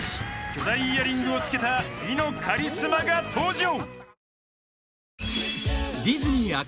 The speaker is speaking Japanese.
［巨大イヤリングを着けた美のカリスマが登場］